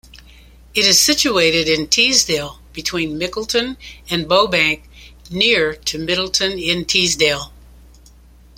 It is situated in Teesdale between Mickleton and Bowbank, near to Middleton-in-Teesdale.